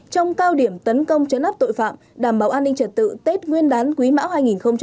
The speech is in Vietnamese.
trong cao điểm tấn công chấn áp tội phạm đảm bảo an ninh trật tự tết nguyên đán quý mão hai nghìn hai mươi bốn